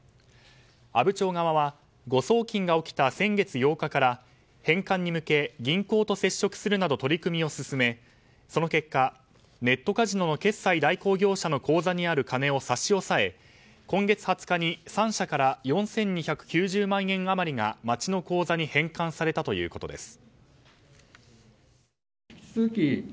阿武町側は誤送金が起きた先月８日から返還に向け、銀行と接触するなど取り組みを進めその結果、ネットカジノの決済代行業者の口座にある金を差し押さえ、今月２０日に３社から４２９０万円余りが町の口座に返還されたということです。